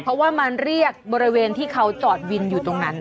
เพราะว่ามาเรียกบริเวณที่เขาจอดวินอยู่ตรงนั้น